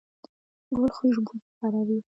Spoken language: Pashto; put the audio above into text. ګل خوشبويي خپروي.